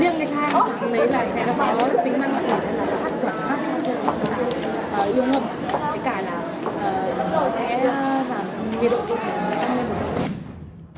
riêng cái than hòa tính đấy là cái vòng than hòa tính